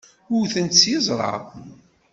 Wwten-tt s yiẓṛa.